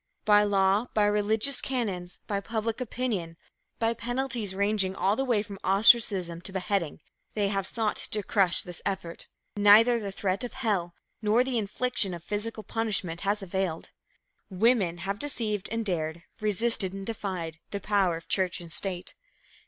By law, by religious canons, by public opinion, by penalties ranging all the way from ostracism to beheading, they have sought to crush this effort. Neither threat of hell nor the infliction of physical punishment has availed. Women have deceived and dared, resisted and defied the power of church and state.